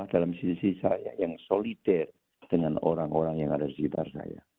dalam sisi saya yang solidar dengan orang orang yang ada di sekitar saya